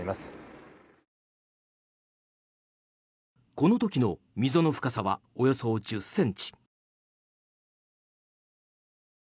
この時の溝の深さはおよそ１０ｃｍ。